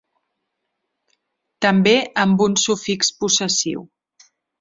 També amb un sufix possessiu.